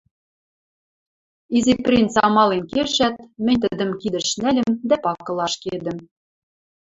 Изи принц амален кешӓт, мӹнь тӹдӹм кидӹш нӓльӹм дӓ пакыла ашкедӹм.